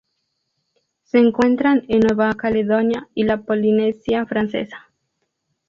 Se encuentran en Nueva Caledonia y la Polinesia Francesa.